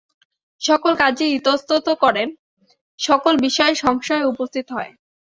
সকল কাজেই ইতস্তত করেন, সকল বিষয়েই সংশয় উপস্থিত হয়।